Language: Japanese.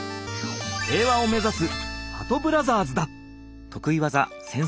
平和を目指すはとブラザーズだ！